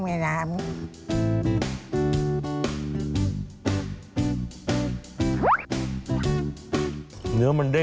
แม่เล็กครับ